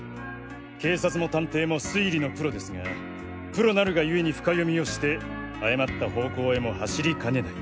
警察も探偵も推理のプロですがプロなるが故に深読みをして誤った方向へも走りかねない。